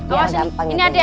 awas ini adik